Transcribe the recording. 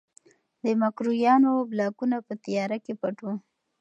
د مکروریانو بلاکونه په تیاره کې پټ وو.